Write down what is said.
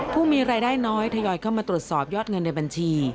ผู้มีรายได้น้อยทยอยเข้ามาตรวจสอบยอดเงินในบัญชี